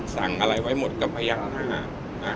สั่งอะไรไว้หมดกับพยักหน้า